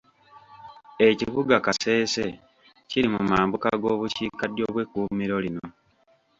Ekibuga Kasese kiri mu mambuka g'obukiikaddyo bw'ekkuumiro lino